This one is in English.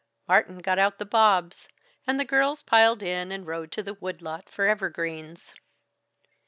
Martin got out the bobs, and the girls piled in and rode to the wood lot for evergreens.